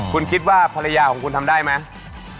คุณคิดว่าภรรยาของคุณทำได้ไหม